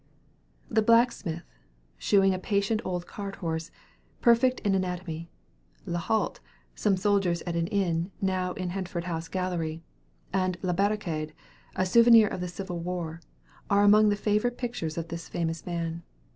"The Blacksmith," shoeing a patient old cart horse, perfect in anatomy; "La Halte," some soldiers at an inn, now in Hertford House gallery; and "La Barricade," a souvenir of the civil war, are among the favorite pictures of this famous man.